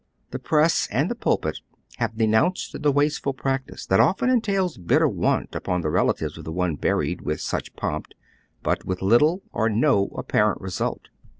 The press and the pnlpit have denounced the wasteful practice that often entails bitter want upoji tlie relatives of the one buried with such pomp, but with little or no apparent result.